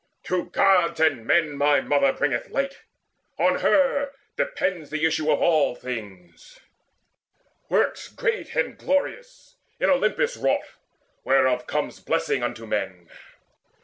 To Gods and men my mother bringeth light; On her depends the issue of all things, Works great and glorious in Olympus wrought Whereof comes blessing unto men.